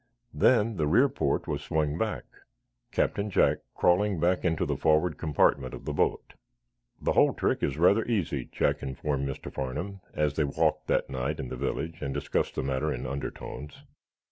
Then the rear port was swung back, Captain Jack crawling back into the forward compartment of the boat. "The whole trick is rather easy," Jack informed Mr. Farnum, as they walked that night in the village and discussed the matter in undertones.